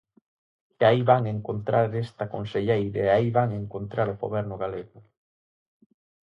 E aí van encontrar esta conselleira e aí van encontrar o Goberno galego.